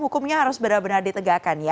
hukumnya harus benar benar ditegakkan ya